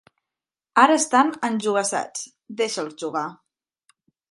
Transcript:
Ara estan enjogassats: deixa'ls jugar.